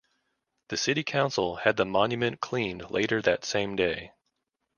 The City Council had the monument cleaned later that same day.